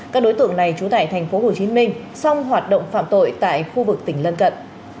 các đối tượng này trú tại tp hcm xong hoạt động phạm tội tại khu vực tỉnh lân cận